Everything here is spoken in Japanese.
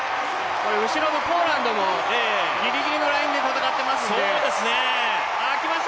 後ろのポーランドもギリギリのラインで戦ってますんで。